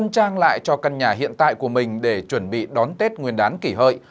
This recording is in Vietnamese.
trang lại cho căn nhà hiện tại của mình để chuẩn bị đón tết nguyên đán kỷ hợi